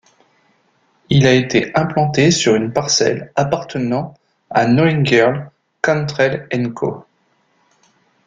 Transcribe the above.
Il a été implanté sur une parcelle appartenant à Noeingerl Cantrel&Co.